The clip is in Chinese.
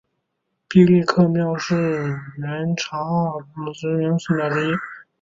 毕力克庙是原察哈尔盟的知名寺庙之一。